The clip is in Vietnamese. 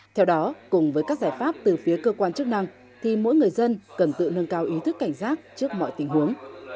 theo đó cùng với các giải pháp từ phía cơ quan chức năng thì mỗi người dân cần tự nâng cao ý thức cảnh giác trước mọi tình huống